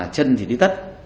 chân thì đi tất